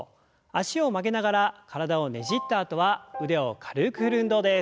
脚を曲げながら体をねじったあとは腕を軽く振る運動です。